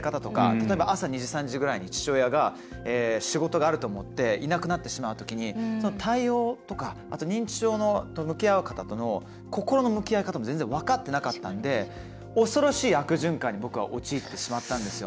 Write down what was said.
例えば朝２時、３時ぐらいに父親が仕事があると思っていなくなってしまうときにその対応とかあと認知症と向き合う方との心の向き合い方も全然、分かってなかったので恐ろしい悪循環に僕は陥ってしまったんですよ。